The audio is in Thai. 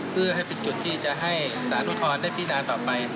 เพื่อให้เป็นจุดที่จะให้สารอุทธรณ์ได้พินาต่อไป